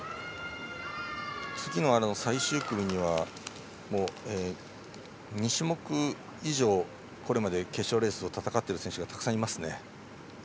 最終組には２種目以上これまで決勝レースを戦っている選手がたくさんいますね。